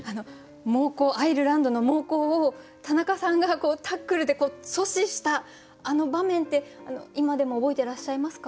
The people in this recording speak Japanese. アイルランドの猛攻を田中さんがタックルで阻止したあの場面って今でも覚えてらっしゃいますか？